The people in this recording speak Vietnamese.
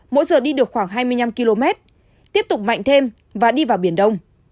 mỗi giờ đi được khoảng hai mươi năm km tiếp tục mạnh thêm và đi vào biển đông